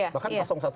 misalnya dua misalnya